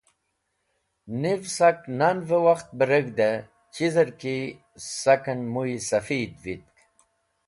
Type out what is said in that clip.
Niv sak nan’v-e wakht reg̃hde chizer ki saken muysafid vitk.